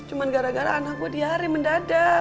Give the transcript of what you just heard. cuman gara gara anak gue di hari mendadak